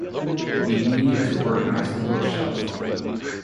We need to organize the bookshelf.